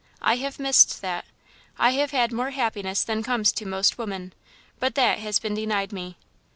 I have missed that. I have had more happiness than comes to most women, but that has been denied me."